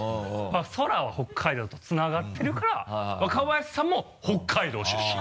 空は北海道とつながってるから若林さんも北海道出身。